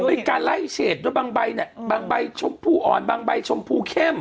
มีการไล่เฉดด้วยบางใบเนี่ยบางใบชมพูอ่อนบางใบชมพูเข้ม